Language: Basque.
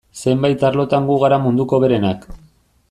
Zenbait arlotan gu gara munduko hoberenak.